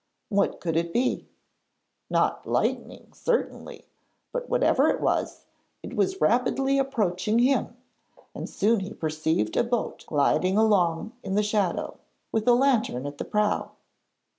What could it be? Not lightning certainly, but whatever it was, it was rapidly approaching him, and soon he perceived a boat gliding along in the shadow, with a lantern at the prow.